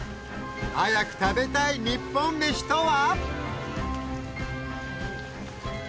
早く食べたい日本飯とは？